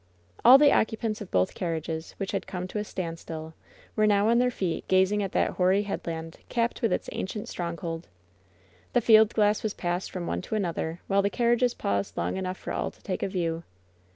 All the occupants of both carriages, which had come to a standstill, were now on their feet gazing at that hoary headland, capped with its ancient stronghold. The field glass was passed from one to another, while the carriages paused long enough for all to take a view.